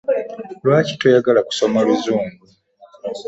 Lwaki toyagala kusoma luzungu?